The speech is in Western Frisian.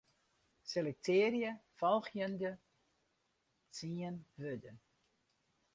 Selektearje folgjende tsien wurden.